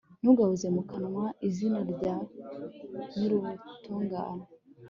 ntugahoze mu kanwa izina rya nyir'ubutungane